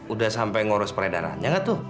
udah sampai ngurus peredarannya nggak tuh